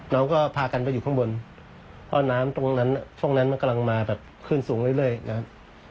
น้องเขาก็พากันไปอยู่ข้างบนเพราะว่าน้ำตรงนั้นมันกำลังมาขึ้นสูงเรื่อยนะครับ